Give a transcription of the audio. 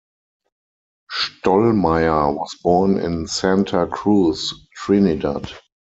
Stollmeyer was born in Santa Cruz, Trinidad.